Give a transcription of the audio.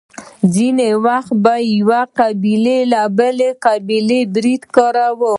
ځینې وخت به یوې قبیلې په بله قبیله برید کاوه.